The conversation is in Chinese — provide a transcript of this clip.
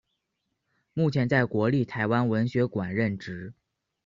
目前在国立台湾文学馆任职。